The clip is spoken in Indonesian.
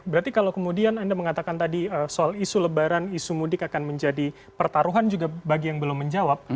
berarti kalau kemudian anda mengatakan tadi soal isu lebaran isu mudik akan menjadi pertaruhan juga bagi yang belum menjawab